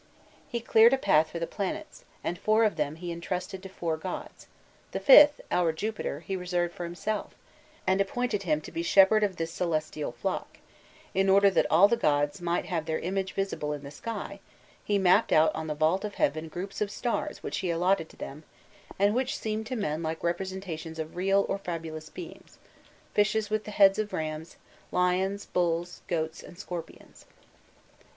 '" He cleared a path for the planets, and four of them he entrusted to four gods; the fifth, our Jupiter, he reserved for himself, and appointed him to be shepherd of this celestial flock; in order that all the gods might have their image visible in the sky, he mapped out on the vault of heaven groups of stars which he allotted to them, and which seemed to men like representations of real or fabulous beings, fishes with the heads of rams, lions, bulls, goats and scorpions.